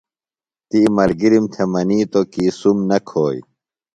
تی ملگِرِم تھےۡ منِیتوۡ کی سُم نہ کھوئی۔